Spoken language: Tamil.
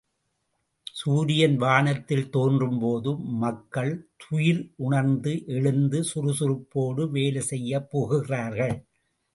சூரியன் வானத்தில் தோன்றும்போது மக்கள் துயிலுணர்ந்து எழுந்து சுறுசுறுப்போடு வேலை செய்யப் புகுகிறார்கள்.